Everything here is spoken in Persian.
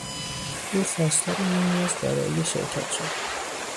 او خواستار نیمی از دارایی شرکت شد.